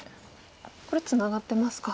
これツナがってますか。